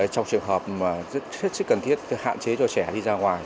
trong trường hợp rất cần thiết hạn chế cho trẻ đi ra ngoài